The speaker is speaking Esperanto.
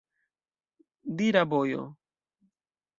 Dira bojo!